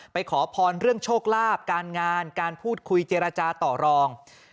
ขอพรเรื่องโชคลาภการงานการพูดคุยเจรจาต่อรอง